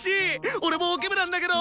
俺もオケ部なんだけど！